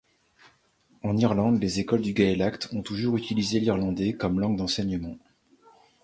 En Irlande, les écoles du Gaeltacht ont toujours utilisé l'irlandais comme langue d'enseignement.